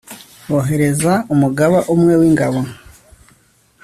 boherezayo umugaba umwe w'ingabo